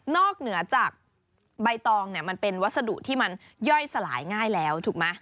เหนือจากใบตองเนี่ยมันเป็นวัสดุที่มันย่อยสลายง่ายแล้วถูกไหม